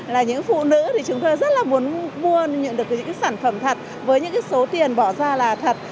là những phụ nữ thì chúng tôi rất là muốn mua nhận được những sản phẩm thật với những số tiền bỏ ra là thật